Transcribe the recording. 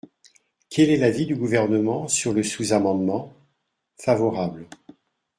Quel est l’avis du Gouvernement sur le sous-amendement ? Favorable.